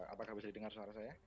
apakah bisa didengar suara saya